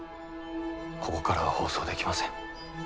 ここからは放送できません。